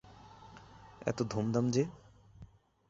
এত ধুমধাম যে!